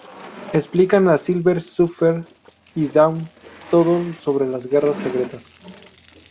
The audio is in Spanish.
Explican a Silver Surfer y Dawn todo sobre las Guerras Secretas.